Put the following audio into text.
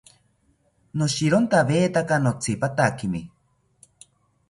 Noshirontawetaka notsipatakimi